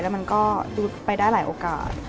แล้วมันก็ดูไปได้หลายโอกาส